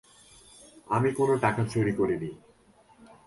আমি কোনো টাকা চুরি করিনি।